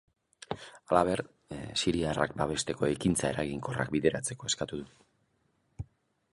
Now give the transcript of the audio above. Halaber, siriarrak babesteko ekintza eraginkorrak bideratzeko eskatu du.